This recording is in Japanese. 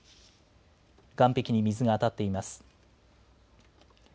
岸壁に水が当たっています。